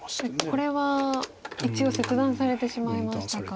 これは一応切断されてしまいましたか。